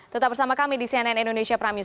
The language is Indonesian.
tetap bersama kami di cnn indonesia prime news